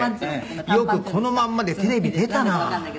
よくこのまんまでテレビ出たな。